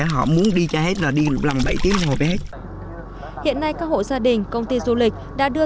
họ muốn đi cho hết là đi làm bảy tiếng họ bẻ hết hiện nay các hộ gia đình công ty du lịch đã đưa